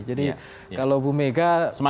jadi kalau bu mega